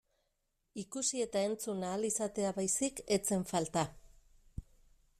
Ikusi eta entzun ahal izatea baizik ez zen falta.